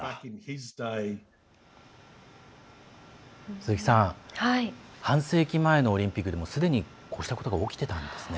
鈴木さん、半世紀前のオリンピックでもすでに、こうしたことが起きてたんですね。